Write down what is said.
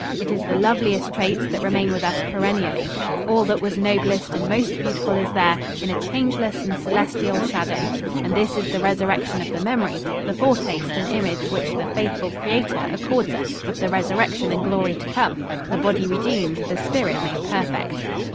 It is the loveliest traits that remain with us perennially; all that was noblest and most beautiful is there, in a changeless and celestial shadow; and this is the resurrection of the memory, the foretaste and image which the 'Faithful Creator' accords us of the resurrection and glory to come the body redeemed, the spirit made perfect.